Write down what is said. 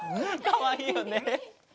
かわいいよね。